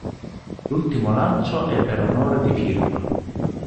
L'ultimo lancio è per onore di firma.